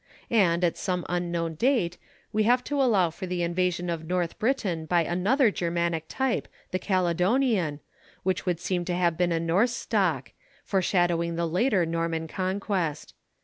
And, at some unknown date, we have to allow for the invasion of North Britain by another Germanic type, the Caledonian, which would seem to have been a Norse stock, foreshadowing the later Norman Conquest.